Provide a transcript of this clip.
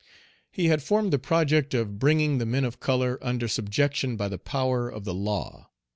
He had formed the project of bringing the men of color under subjection by the power of the law.